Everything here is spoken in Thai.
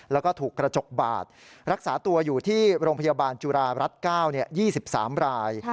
แล้วก็ถูกกระจกบาดรักษาตัวอยู่ที่โรงพยาบาลจุฬารัฐ๙๒๓ราย